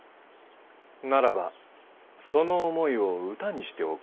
ならばその思いを歌にして贈るのだ。